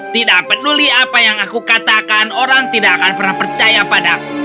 tidak peduli apa yang aku katakan orang tidak akan pernah percaya padaku